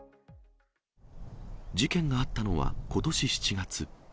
事件があったのはことし７月。